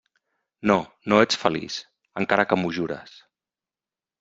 No, no ets feliç..., encara que m'ho jures.